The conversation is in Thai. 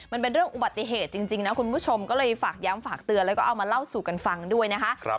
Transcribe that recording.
มันเป็นเรื่องอุบัติเหตุจริงนะคุณผู้ชมก็เลยฝากย้ำฝากเตือนแล้วก็เอามาเล่าสู่กันฟังด้วยนะคะ